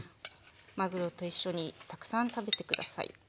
まぐろと一緒にたくさん食べて下さい。